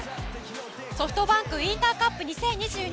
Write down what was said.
ＳｏｆｔＢａｎｋウインターカップ２０２２。